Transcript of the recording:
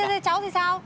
thế cháu thì sao